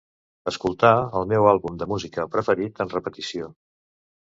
Escoltar el meu àlbum de música preferit en repetició.